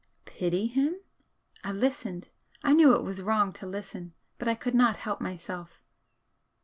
Pity him? I listened, I knew it was wrong to listen, but I could not help myself.